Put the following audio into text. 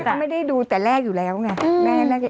เขาไม่ได้ดูแต่แรกอยู่แล้วเนี้ย